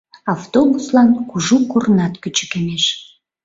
Автобуслан кужу корнат кӱчыкемеш.